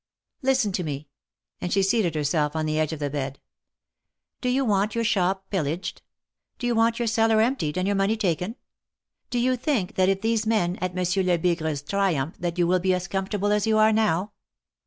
Listen to me," and she seated herself on the edge of the bed. '^Do you want your shop pillaged ? Do you want your 180 THE MARKETS OF PARIS. cellar emptied, and your money taken? Do you think that if these men, at Monsieur Lebigre's, triumph, that you will be as comfortable as you are now